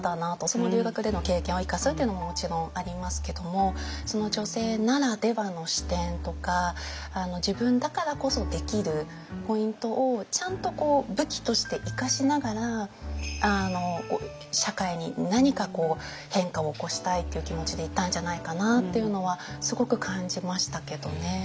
その留学での経験を生かすっていうのももちろんありますけども女性ならではの視点とか自分だからこそできるポイントをちゃんと武器として生かしながら社会に何か変化を起こしたいっていう気持ちでいたんじゃないかなっていうのはすごく感じましたけどね。